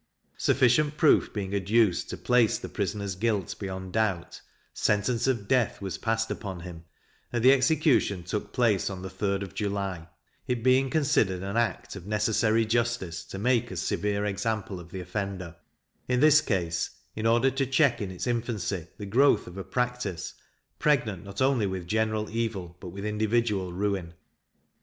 Sufficient proof being adduced to place the prisoner's guilt beyond doubt, sentence of death was passed upon him, and the execution took place on the 3d of July; it being considered an act of necessary justice to make a severe example of the offender, in this case, in order to check in its infancy the growth of a practice, pregnant not only with general evil, but with individual ruin.